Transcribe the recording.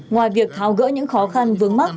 ngoài việc tháo gỡ những khó khăn vướng mắt